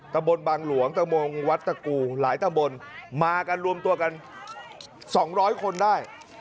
ตะบนบางหลวงตะโมงวัดตะกูหลายตะบนมากันรวมตัวกันสองร้อยคนได้